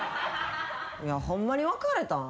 いやホンマに別れたん？